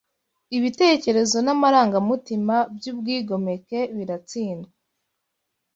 Ibitekerezo n’amarangamutima by’ubwigomeke biratsindwa